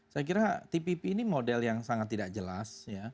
saya kira tpp ini model yang sangat tidak jelas